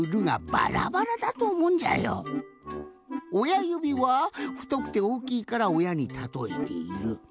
親指はふとくておおきいから親にたとえている。